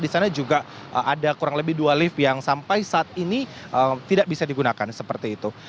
di sana juga ada kurang lebih dua lift yang sampai saat ini tidak bisa digunakan seperti itu